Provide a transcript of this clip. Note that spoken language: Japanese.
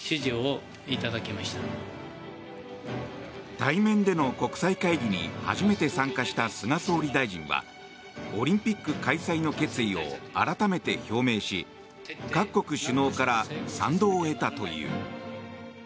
対面での国際会議に初めて参加した菅総理大臣はオリンピック開催の決意を改めて表明し各国首脳から賛同を得たという。